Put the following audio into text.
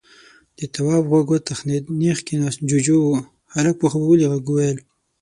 د تواب غوږ وتخنېد، نېغ کېناست. جُوجُو و. هلک په خوبولي غږ وويل: